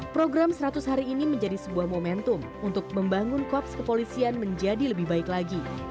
program seratus hari ini menjadi sebuah momentum untuk membangun kops kepolisian menjadi lebih baik lagi